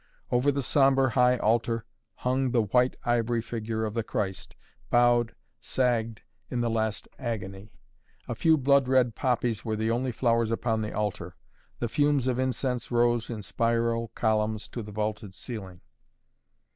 Over the sombre high altar hung the white ivory figure of the Christ, bowed, sagged, in the last agony. A few blood red poppies were the only flowers upon the altar. The fumes of incense rose in spiral columns to the vaulted ceiling.